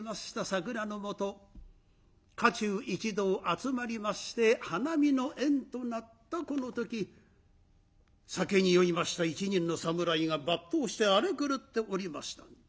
桜のもと家中一同集まりまして花見の宴となったこの時酒に酔いました一人の侍が抜刀して荒れ狂っておりました。